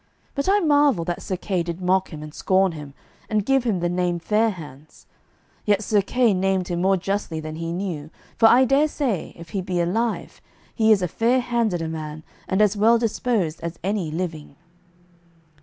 But I marvel that Sir Kay did mock him and scorn him, and give him the name Fair hands. Yet Sir Kay named him more justly than he knew, for I dare say, if he be alive, he is as fair handed a man and as well disposed as any living."